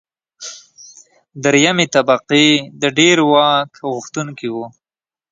درېیمې طبقې د ډېر واک غوښتونکي وو.